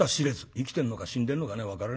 生きてんのか死んでんのか分からねえや。